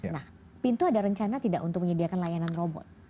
nah pintu ada rencana tidak untuk menyediakan layanan robot